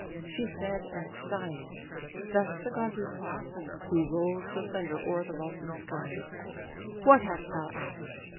She said; and, sighing, thus the god replies, Who rolls the thunder o'er the vaulted skies: "What hast thou ask'd?